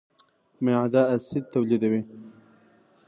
معده اسید تولیدوي.